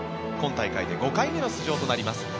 今大会で５回目の出場となります。